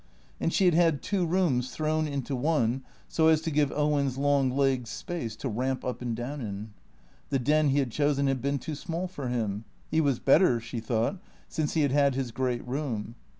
And she had had two rooms thrown into one so as to give Owen's long legs space to ramp up and down in. The den he had chosen had been too small for him. He was better, she thought, since he had had his great room.